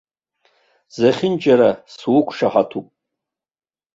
Зехьынџьара суқәшаҳаҭуп.